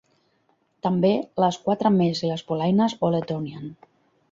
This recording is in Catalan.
"També les quatre més i les polaines Old Etonian."